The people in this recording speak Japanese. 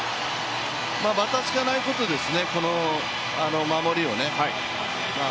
ばたつかないことですね、この守りをね。